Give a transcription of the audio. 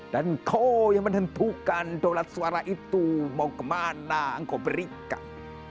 dan engkau yang menentukan daulat suara itu mau kemana engkau berikan